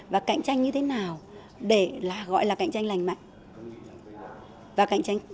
và cạnh tranh như thế nào để gọi là cạnh tranh lành mạnh